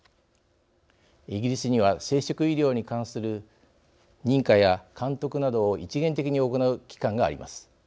イギリスには生殖医療に関する認可や監督などを一元的に行う機関があります。